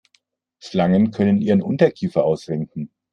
Schlangen können ihren Unterkiefer ausrenken.